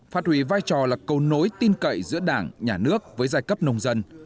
phát hủy vai trò là cầu nối tin cậy giữa đảng nhà nước với giai cấp nông dân